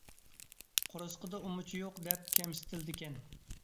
«قورسىقىدا ئۇمىچى يوق» دەپ كەمسىتىلىدىكەن.